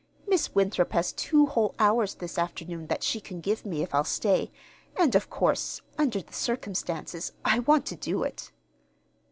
Miss Winthrop has two whole hours this afternoon that she can give me if I'll stay; and, of course, under the circumstances, I want to do it."